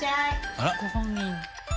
あら！ご本人。